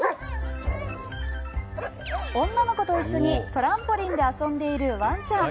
女の子と一緒にトランポリンで遊んでいるワンちゃん。